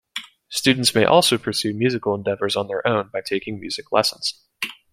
Students may also pursue musical endeavors on their own by taking music lessons.